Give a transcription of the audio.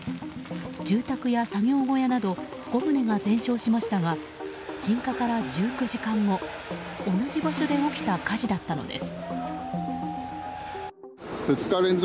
住宅や作業小屋など５棟が全焼しましたが鎮火から１９時間後、同じ場所で起きた火事だったのです。